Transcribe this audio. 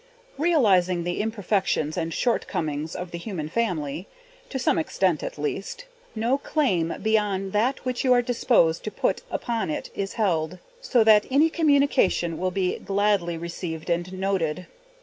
Realizing the imperfections and shortcomings of the human family, to some extent at least, no claim beyond that which you are disposed to put upon it is held, so that any communication will be gladly received and noted.